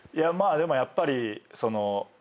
でもやっぱりその。